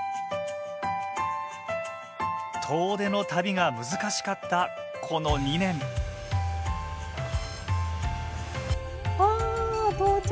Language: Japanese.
遠出の旅が難しかったこの２年わあ到着！